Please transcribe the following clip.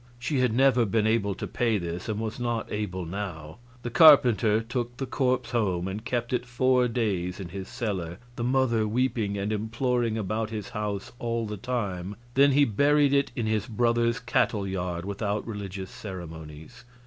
She had never been able to pay this, and was not able now. The carpenter took the corpse home and kept it four days in his cellar, the mother weeping and imploring about his house all the time; then he buried it in his brother's cattle yard, without religious ceremonies.